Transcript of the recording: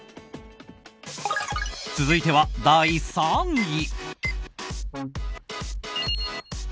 続いては第３位。